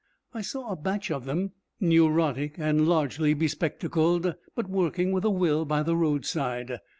I saw a batch of them, neurotic and largely be spectacled, but working with a will by the roadside.